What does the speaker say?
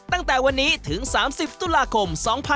ตั้งแต่วันนี้ถึง๓๐ตุลาคม๒๕๖๒